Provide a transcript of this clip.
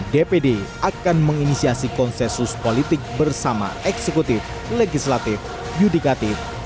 dpd akan menginisiasi konsensus politik bersama eksekutif legislatif yudikatif tni dan polri